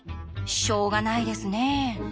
しょうがないですね。